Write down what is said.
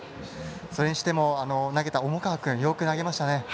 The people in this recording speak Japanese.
それにしても、投げた重川君よく投げましたね。